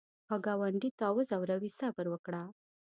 که ګاونډي تا وځوروي، صبر وکړه